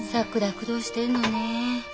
苦労しているのね。